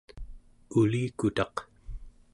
ulikutaq